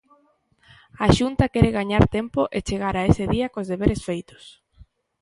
A Xunta quere gañar tempo e chegar a ese día cos deberes feitos.